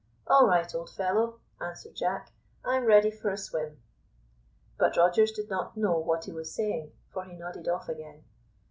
"All right, old fellow," answered Jack; "I'm ready for a swim." But Rogers did not know what he was saying, for he nodded off again.